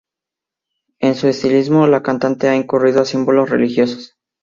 En su estilismo, la cantante ha incurrido a símbolos religiosos.